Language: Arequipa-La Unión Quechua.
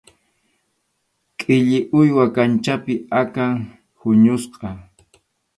Qhilli, uywa kanchapi akan huñusqa.